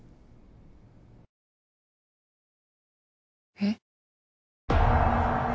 えっ？